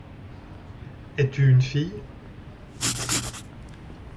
Es-tu une fille ?